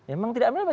emang tidak menelpon